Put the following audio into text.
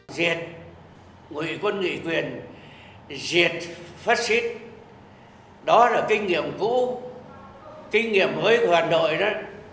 diệt ngụy quân nghị quyền diệt fascist đó là kinh nghiệm cũ kinh nghiệm mới của hà nội đó